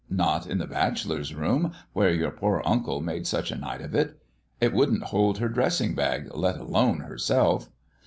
Not in the bachelor's room, where your poor uncle made such a night of it? It wouldn't hold her dressing bag, let alone herself."